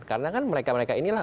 karena kan mereka mereka inilah